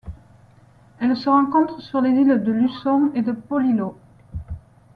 Elle se rencontre sur les îles de Luçon et de Polillo.